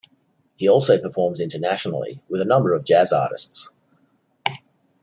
He also performs internationally with a number of Jazz artists.